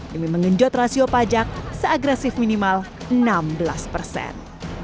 demi mengenjot rasio pajak seagresif minimal enam belas persen